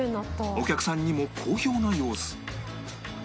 お客さんにも好評な様子